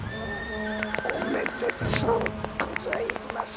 「おめでとうございます！！」。